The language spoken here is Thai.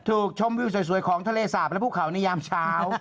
ชมวิวสวยของทะเลสาปและภูเขาในยามเช้า